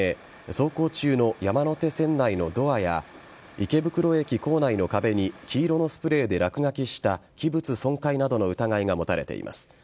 走行中の山手線内のドアや池袋駅構内の壁に黄色のスプレーで落書きした器物損壊などの疑いが持たれています。